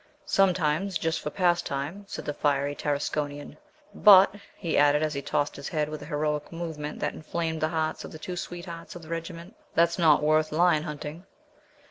"Sometimes, just for pastime," said the fiery Tarasconian. "But," he added, as he tossed his head with a heroic movement that inflamed the hearts of the two sweethearts of the regiment, "that's not worth lion hunting."